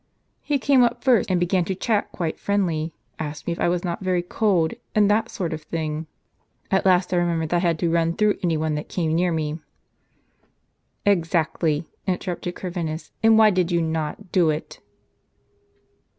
"" He came up first, and began to chat quite friendly, asked me if it was not very cold, and that sort of thing. At last I remembered that I had to run through any one that came near me " "Exactly," interrupted Corvinus; "and why did you not doit?"